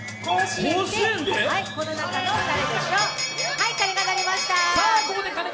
はい、鐘が鳴りました。